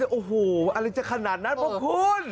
อะไรจะขนาดนั้นพวกคุณ